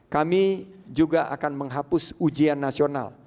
kami juga akan menghapus ujian nasional